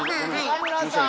岡村さん！